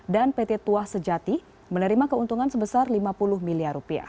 dan pt tuah sejati menerima keuntungan sebesar rp lima puluh miliar